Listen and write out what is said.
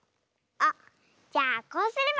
あっじゃあこうすれば？